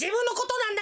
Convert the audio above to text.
なんだ！